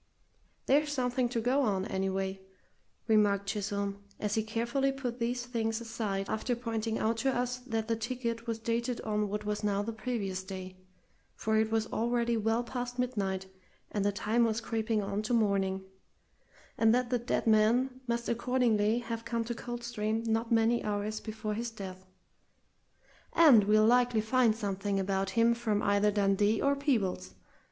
"There's something to go on, anyway," remarked Chisholm, as he carefully put these things aside after pointing out to us that the ticket was dated on what was now the previous day (for it was already well past midnight, and the time was creeping on to morning), and that the dead man must accordingly have come to Coldstream not many hours before his death; "and we'll likely find something about him from either Dundee or Peebles.